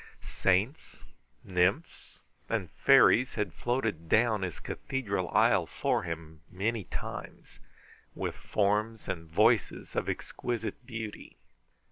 Saints, nymphs, and fairies had floated down his cathedral aisle for him many times, with forms and voices of exquisite beauty.